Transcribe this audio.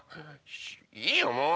いいよもう！